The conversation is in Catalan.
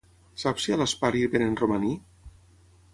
Saps si a l'Spar hi venen romaní?